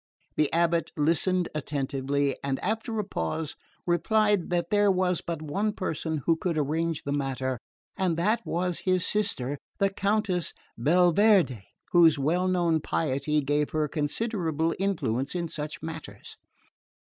The Abbot listened attentively, and after a pause replied that there was but one person who could arrange the matter, and that was his sister the Countess Belverde, whose well known piety gave her considerable influence in such matters.